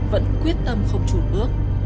vẫn quyết tâm không trùn bước